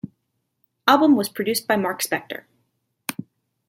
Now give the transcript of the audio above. Album was produced by Mark Spector.